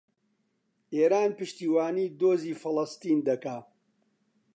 ئێران پشتیوانیی دۆزی فەڵەستین دەکات.